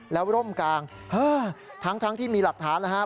แล้วร่มกลางทั้งที่มีหลักฐานแล้วครับ